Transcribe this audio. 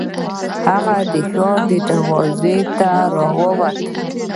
او هغه د ښار دروازې ته راووت.